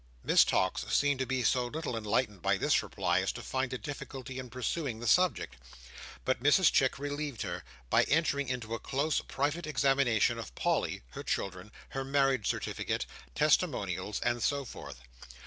Miss Tox seemed to be so little enlightened by this reply, as to find a difficulty in pursuing the subject. But Mrs Chick relieved her, by entering into a close private examination of Polly, her children, her marriage certificate, testimonials, and so forth.